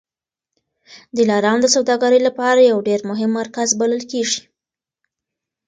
دلارام د سوداګرۍ لپاره یو ډېر مهم مرکز بلل کېږي.